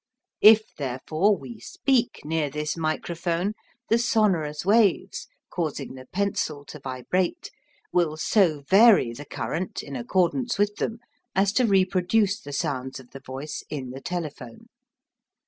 If, therefore, we speak near this microphone, the sonorous waves, causing the pencil to vibrate, will so vary the current in accordance with them as to reproduce the sounds of the voice in the telephone.